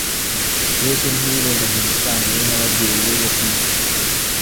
Yesu ntiyirengagije isano Ye n’ababyeyi be bo ku isi